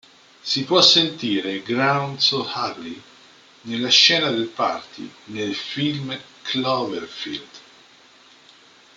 Si può sentire "Grown So Ugly" nella scena del party nel film "Cloverfield".